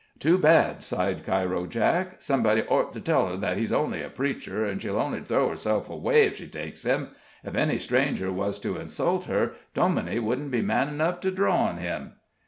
"Too bad!" sighed Cairo Jake. "Somebody ort to tell her that he's only a preacher, an' she'll only throw herself away ef she takes him. Ef any stranger wuz to insult her, Dominie wouldn't be man 'nuff to draw on him."